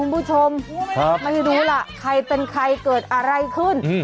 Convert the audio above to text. โอ้โหทำผู้หญิงคุณผู้ชมไม่รู้ล่ะใครเป็นใครเกิดอะไรขึ้น